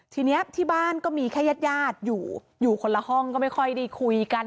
ทีนี้ที่บ้านก็มีแค่ญาติญาติอยู่อยู่คนละห้องก็ไม่ค่อยได้คุยกัน